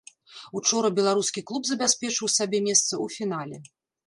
Учора беларускі клуб забяспечыў сабе месца ў фінале.